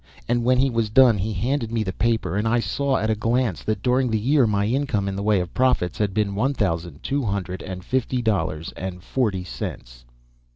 And when he was done he handed me the paper, and I saw at a glance that during the year my income, in the way of profits, had been one thousand two hundred and fifty dollars and forty cents.